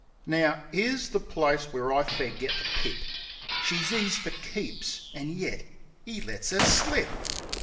. Now, 'ere's the place where I fair git the pip ! She's 'is for keeps, an' yet 'e lets 'er slip!